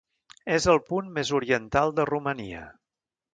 És el punt més oriental de Romania.